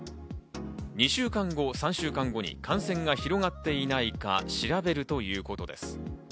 ２週間後、３週間後に感染が広がっていないか調べるということです。